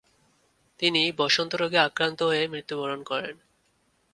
তিনি বসন্তরোগে আক্রান্ত হয়ে মৃত্যুবরণ করেন।